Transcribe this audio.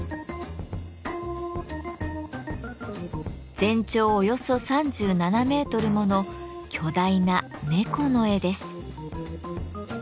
全長およそ３７メートルもの巨大な猫の絵です。